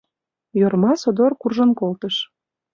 Йорма содор куржын колтыш.